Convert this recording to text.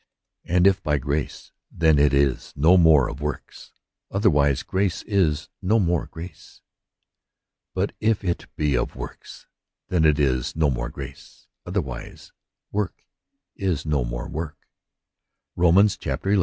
And if bygrace^ then it is no m^re of works : otherwise grace is no more grace. But if it be of works ^ then it is no more grace : otherwise work is no more work'' — Rom.